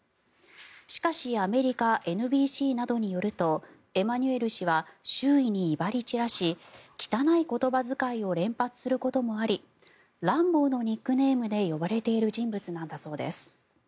しかしアメリカＮＢＣなどによるとエマニュエル氏は周囲に威張り散らし汚い言葉遣いを連発することもありランボーのニックネームで呼ばれている人物なんだそうです。